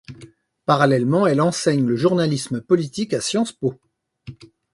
Parallèlement, elle enseigne le journalisme politique à Sciences Po.